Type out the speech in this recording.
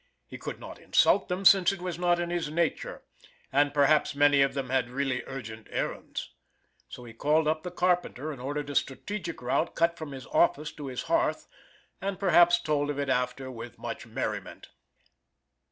He could not insult them since it was not in his nature, and perhaps many of them had really urgent errands. So he called up the carpenter and ordered a strategic route cut from his office to his hearth, and perhaps told of it after with much merriment.